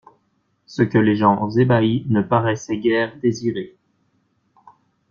Ce que les gens ébahis ne paraissaient guère désirer.